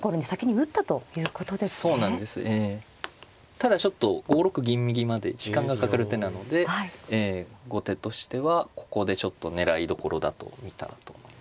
ただちょっと５六銀右まで時間がかかる手なので後手としてはここでちょっと狙いどころだと見たんだと思いますね。